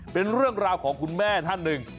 เป็นเรื่องราวของคุณแม่ท่านหนึ่ง